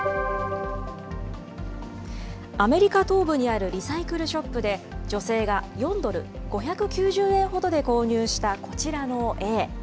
アメリカ東部にあるリサイクルショップで、女性が４ドル、５９０円ほどで購入したこちらの絵。